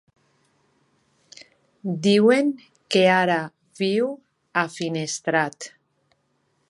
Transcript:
Diuen que ara viu a Finestrat.